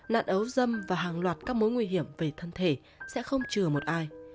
nạn ấu dâm và hàng loạt các mối nguy hiểm về thân thể sẽ không trừ một ai